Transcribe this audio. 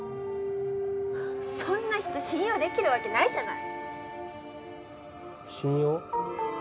そんな人信用できるわけないじゃない信用？